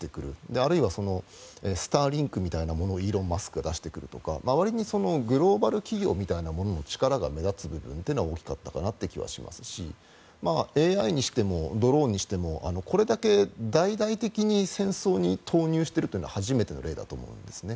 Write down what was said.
あるいはスターリンクみたいなものをイーロン・マスクが出してくるとかグローバル企業みたいなものの力が目立つ部分というのが大きかったかなという気がしますしＡＩにしてもドローンにしてもこれだけ大々的に戦争に投入しているというのは初めての例だと思うんです。